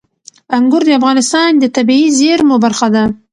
انګور د افغانستان د طبیعي زیرمو برخه ده.